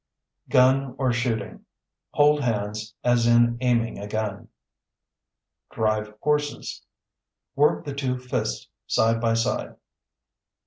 Gun or shooting (Hold hands as in aiming a gun). Drive horses (Work the two fists, side by side).